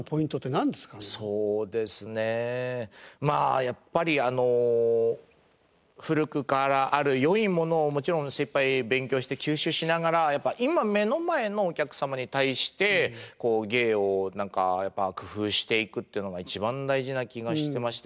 そうですねまあやっぱり古くからあるよいものをもちろん精いっぱい勉強して吸収しながら今目の前のお客様に対して芸を何か工夫していくっていうのが一番大事な気がしてまして。